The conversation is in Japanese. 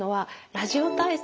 ラジオ体操？